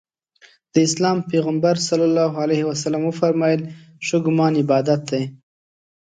د اسلام پیغمبر ص وفرمایل ښه ګمان عبادت دی.